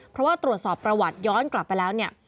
เพราะว่าตรวจสอบประวัติย้อนกลับไปแล้วเนี่ย